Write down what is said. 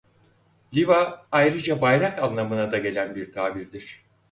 Liva ayrıca bayrak anlamına da gelen bir tabirdir.